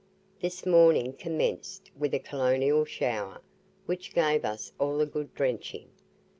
This morning commenced with a colonial shower, which gave us all a good drenching.